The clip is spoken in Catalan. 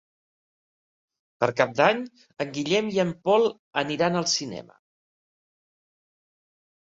Per Cap d'Any en Guillem i en Pol aniran al cinema.